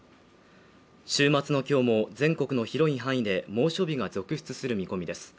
週末の今日も全国の広い範囲で猛暑日が続出する見込みです